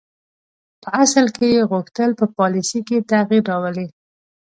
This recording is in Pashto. په اصل کې یې غوښتل په پالیسي کې تغییر راولي.